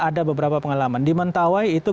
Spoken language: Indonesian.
ada beberapa pengalaman di mentawai itu